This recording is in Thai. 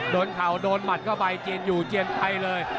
เข่าโดนหมัดเข้าไปเจียนอยู่เจียนไปเลย